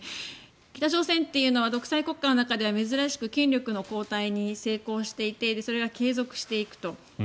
北朝鮮っていうのは独裁国家の中では珍しく権力の交代に成功していてそれが継続していくと。